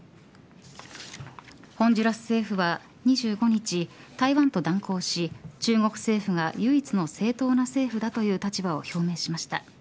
ホンジュラス政府は２５日台湾と断交し中国政府が唯一の正当な政府だという立場を表明しました。